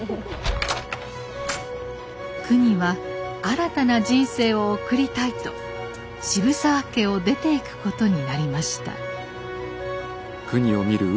くには新たな人生を送りたいと渋沢家を出ていくことになりました。